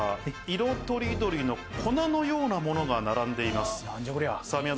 色とりどりの粉のようなものが並んでいます。